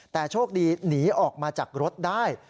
แต่โชคดีหนีออกมาจากรถได้